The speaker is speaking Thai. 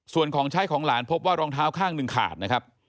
ส่วนของใช้ของหลานพบว่ารองเท้าข้างหนึ่งขาดนะครับ